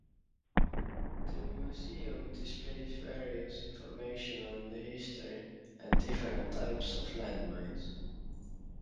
The museum displays various information on the history and different types of land mines.